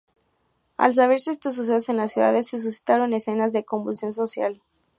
Al saberse estos sucesos en la ciudad se suscitaron escenas de convulsión social.